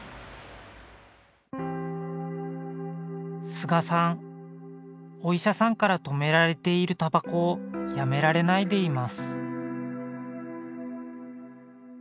菅さんお医者さんから止められているたばこをやめられないでいます。